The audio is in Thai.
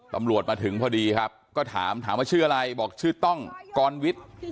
ตำรวจมาถึงพอดีครับก็ถามถามว่าชื่ออะไรบอกชื่อต้องกรวิทย์